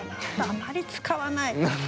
あまり使わない。